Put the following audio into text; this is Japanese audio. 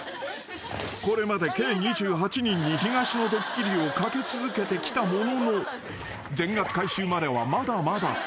［これまで計２８人に東野ドッキリをかけ続けてきたものの全額回収まではまだまだ］